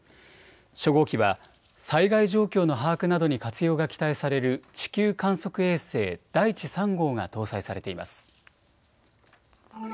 初号機は災害状況の把握などに活用が期待される地球観測衛星、だいち３号が搭載されています。